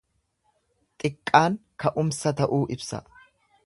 Xiqqaan ka'umsa ta'uu ibsa.